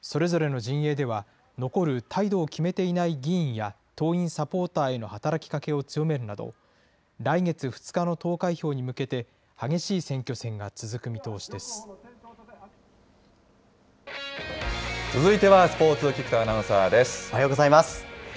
それぞれの陣営では、残る態度を決めていない議員や党員・サポーターへの働きかけを強めるなど、来月２日の投開票に向けて、続いてはスポーツ、おはようございます。